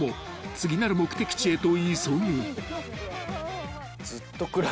［次なる目的地へと急ぐ］